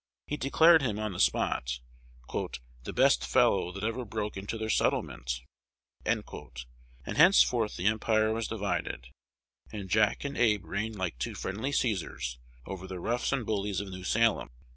He declared him, on the spot, "the best fellow that ever broke into their settlement;" and henceforth the empire was divided, and Jack and Abe reigned like two friendly Cæsars over the roughs and bullies of New Salem.